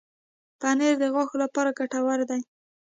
پنېر د غاښونو لپاره ګټور دی.